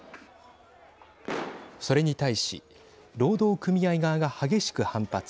それに対し労働組合側が激しく反発。